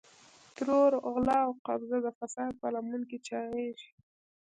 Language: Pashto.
ترور، غلا او قبضه د فساد په لمن کې چاغېږي.